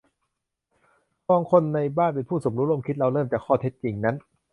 บางคนในบ้านเป็นผู้สมรู้ร่วมคิด - เราเริ่มจากข้อเท็จจริงนั้น